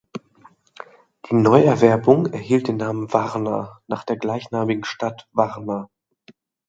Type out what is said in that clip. Die Neuerwerbung erhielt den Namen "Warna" nach der gleichnamigen Stadt Warna.